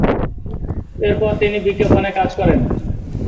এরপর তিনি বিজ্ঞাপনে কাজ করেন।